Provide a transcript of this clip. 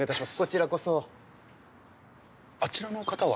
こちらこそあちらの方は？